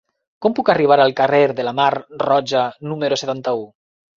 Com puc arribar al carrer de la Mar Roja número setanta-u?